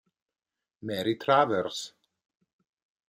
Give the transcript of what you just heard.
Mary Travers